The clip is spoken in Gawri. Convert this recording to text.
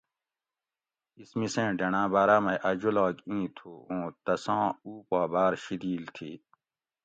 اِس مِسیں ڈینڑاٞں باٞراٞ مئ اٞ جولاگ اِیں تھُو اُوں تساں اُو پا باٞر شِدیل تھی